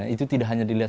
itu tidak hanya dilihat